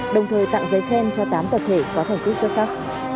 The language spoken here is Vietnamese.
đồng thời tặng giấy khen cho tám tập thể có thành tích xuất sắc